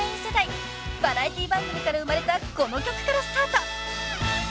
［バラエティー番組から生まれたこの曲からスタート］